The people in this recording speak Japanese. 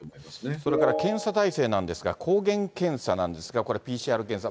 それから検査体制なんですが、抗原検査なんですが、これＰＣＲ検査。